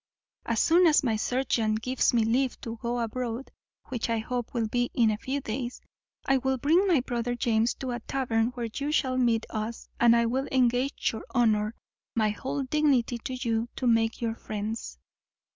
As soon as my surgeon gives me leave to go abroad, which, I hope, will be in a few days, I will bring my brother James to a tavern where you shall meet us; and I will engage my honour, my whole dignity to you, to make you friends."